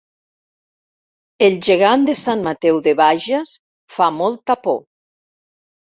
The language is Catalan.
El gegant de Sant Mateu de Bages fa molta por